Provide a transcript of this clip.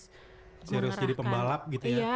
serius jadi pembalap gitu ya